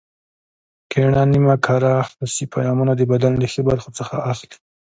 کیڼه نیمه کره حسي پیغامونه د بدن له ښي برخو څخه اخلي.